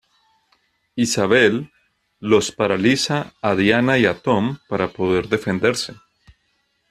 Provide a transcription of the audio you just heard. Isabelle los paraliza a Diana y a Tom para poder defenderse.